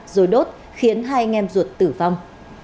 rồi đốt khiến hai anh em ruột tử vong